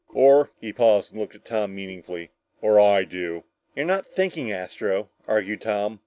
Or " he paused and looked at Tom meaningfully, "or I do." "You're not thinking, Astro," argued Tom.